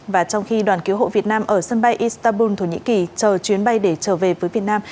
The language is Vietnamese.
và trong khi đoàn cứu hộ việt nam ở sân bay istanbul thổ nhĩ kỳ chờ chuyến bay để trở về với việt nam